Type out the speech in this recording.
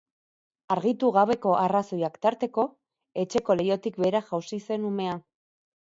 Argitu gabeko arrazoiak tarteko, etxeko leihotik behera jausi zen umea.